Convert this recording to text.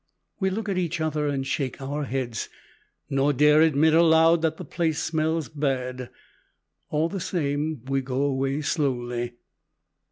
We look at each other and shake our heads, nor dare admit aloud that the place smells bad. All the same, we go away slowly.